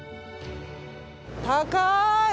高い！